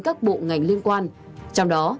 các bộ ngành liên quan trong đó